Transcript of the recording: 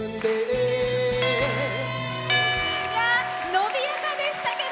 伸びやかでしたけど。